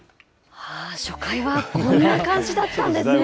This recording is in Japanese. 初回はこんな感じだったんですね。